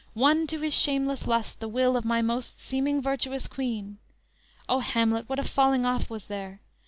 won to his shameful lust The will of my most seeming virtuous queen; O, Hamlet, what a falling off was there!